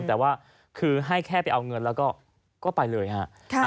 แต่ว่าคือให้แค่ไปเอาเงินแล้วก็ไปเลยฮะ